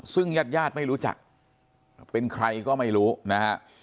ซึ่งญาติญาติไม่รู้จักเป็นใครก็ไม่รู้นะฮะ